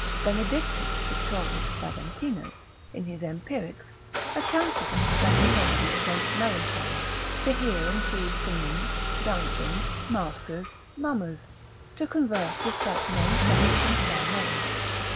Benedictus Victorius Faventinus, in his empirics, accounts it an especial remedy against melancholy, to hear and see singing, dancing, maskers, mummers, to converse with such merry fellows and fair maids.